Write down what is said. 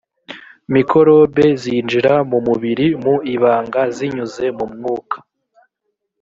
mikorobe zinjira mu mubiri mu ibanga zinyuze mu mwuka